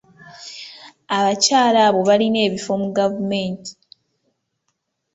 Abakyala abo balina ekifo mu gavumenti.